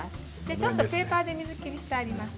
ちょっとペーパーで水切りしてあります。